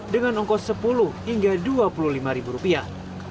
dengan ongkos sepuluh hingga dua puluh lima ribu rupiah